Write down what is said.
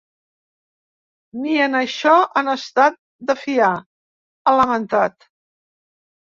Ni en això han estat de fiar, ha lamentat.